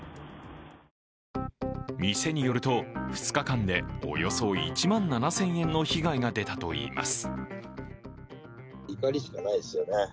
店によると２日間でおよそ１万７０００円の被害が出たといいます。